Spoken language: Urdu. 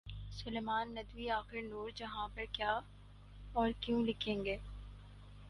سلیمان ندوی آخر نورجہاں پر کیا اور کیوں لکھیں گے؟